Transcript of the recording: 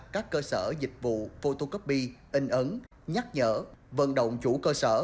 các cơ sở dịch vụ photocopy in ấn nhắc nhở vận động chủ cơ sở